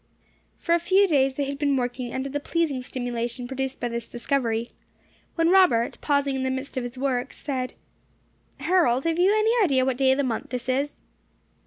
For a few days they had been working under the pleasing stimulation produced by this discovery, when Robert, pausing in the midst of his work, said, "Harold, have you any idea what day of the month this is?"